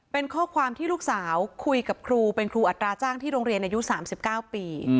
เป็นข้อความที่ลูกสาวคุยกับครูเป็นครูอัตราจ้างที่โรงเรียนอายุ๓๙ปี